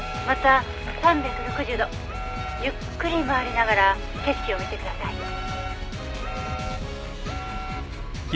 「また３６０度ゆっくり回りながら景色を見てください」